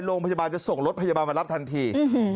โรงพยาบาลจะส่งรถพยาบาลมารับทันที